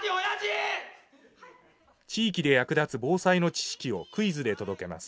地域で役立つ防災の知識をクイズで届けます。